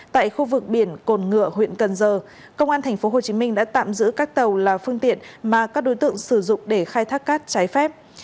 tại khu vực biển cồn ngựa huyện cần giờ công an tp hcm đã tạm giữ các tàu là phương tiện mà các đối tượng sử dụng để khai thác cát trái phép